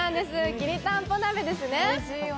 きりたんぽ鍋なんですね。